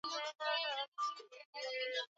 Kepteni Antony Mualushayi amesema